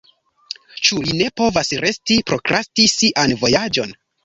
Ĉu li ne povas resti, prokrasti sian vojaĝon?